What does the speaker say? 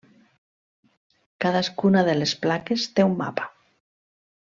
Cadascuna de les plaques té un mapa.